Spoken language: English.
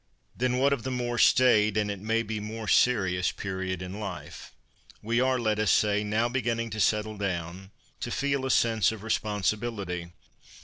Then what of the more staid, and, it may be, more serious, period in life? We are, let us say, now beginning to settle down, to feel a sense of respon sibility.